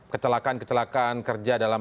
kecelakaan kecelakaan kerja dalam